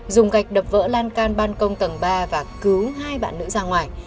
dùng gạch đập vỡ lan can ban công tầng ba và cứu hai bạn nữ ra ngoài